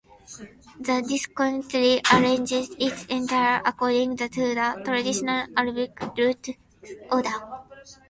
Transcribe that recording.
The dictionary arranges its entries according to the traditional Arabic root order.